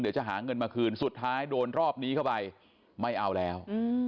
เดี๋ยวจะหาเงินมาคืนสุดท้ายโดนรอบนี้เข้าไปไม่เอาแล้ว